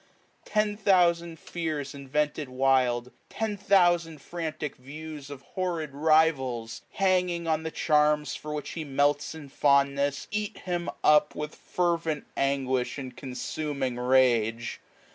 Ten thousand fears Invented wild, ten thousand frantic yiewa 109a Of horrid rivals, hanging on the charms For which he melts in fondness, eat him up With fervent anguish, and consuming rage.